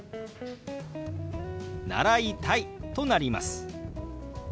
「習いたい」となります。